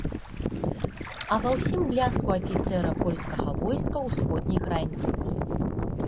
А ва ўсім бляску афіцэра польскага войска ўсходняй граніцы.